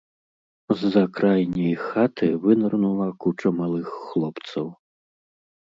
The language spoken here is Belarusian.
З-за крайняй хаты вынырнула куча малых хлопцаў.